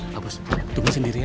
pak bos tunggu sendiri ya